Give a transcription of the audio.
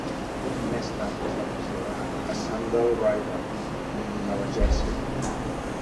Més tard es va traslladar a Saddle River, Nova Jersey.